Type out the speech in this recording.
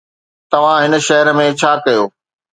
توهان هن شهر ۾ ڇا ڪيو؟